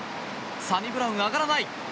サニブラウン、上がらない！